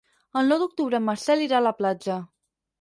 El nou d'octubre en Marcel irà a la platja.